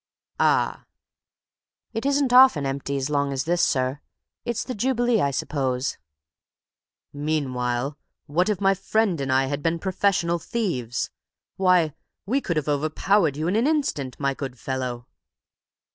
"Ah!" "It isn't often empty as long as this, sir. It's the Jubilee, I suppose." "Meanwhile, what if my friend and I had been professional thieves? Why, we could have over powered you in an instant, my good fellow!"